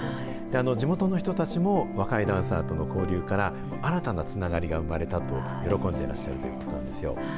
地元の人たちも若いダンサーとの交流から新たなつながりが生まれたと喜んでらっしゃるということなんですよ。